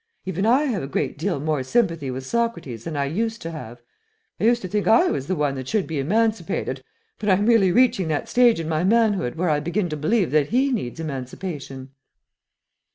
Even I have a great deal more sympathy with Socrates than I used to have. I used to think I was the one that should be emancipated, but I'm really reaching that stage in my manhood where I begin to believe that he needs emancipation."